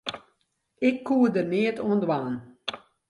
Ik koe der neat oan dwaan.